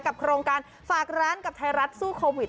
โครงการฝากร้านกับไทยรัฐสู้โควิด